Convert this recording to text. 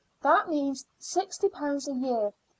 That means sixty pounds a year.